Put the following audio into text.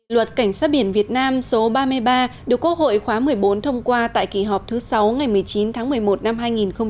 luật cảnh sát biển việt nam số ba mươi ba được quốc hội khóa một mươi bốn thông qua tại kỳ họp thứ sáu ngày một mươi chín tháng một mươi một năm hai nghìn một mươi ba